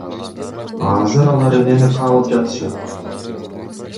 А азыр алар эмнени каалап жатышат?